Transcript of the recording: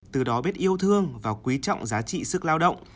từ đó biết yêu thương và quý trọng giá trị sức lao động